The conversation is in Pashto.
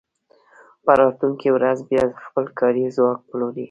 په راتلونکې ورځ بیا خپل کاري ځواک پلوري